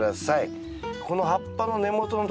この葉っぱの根元のところ。